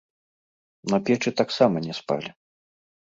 На печы таксама не спалі.